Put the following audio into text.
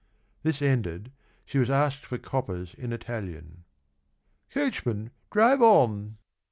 — This ended, she was asked for coppers In Italian. " Coachman, drive on